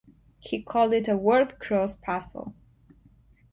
He called it a Word-Cross Puzzle.